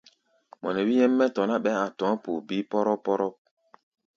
Mɔ nɛ wí nyɛ́m mɛ́ tɔ̧ ná, ɓɛɛ́ a̧ tɔ̧ɔ̧́ poo bíí póróp-póróp.